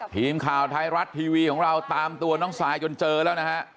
ทีมข่าวไทยรัฐทีวีของเราตามตัวน้องซายจนเจอแล้วนะฮะ